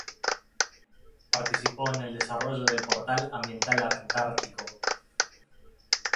Participó en el desarrollo del Portal Ambiental antártico.